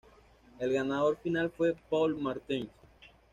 El ganador final fue Paul Martens.